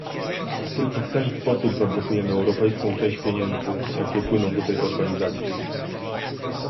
Tylko w ten sposób zablokujemy europejską część pieniędzy, jakie płyną do tej organizacji